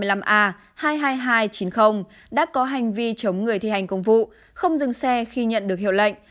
năm mươi năm a hai mươi hai nghìn hai trăm chín mươi đã có hành vi chống người thi hành công vụ không dừng xe khi nhận được hiệu lệnh